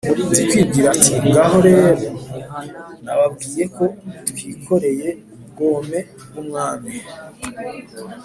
Nzikwiba ati: "Ngaho rero nababwiye ko twikoreye ubwome bw' umwami,